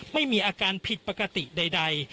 ไม่มีอาการผิดปกติใด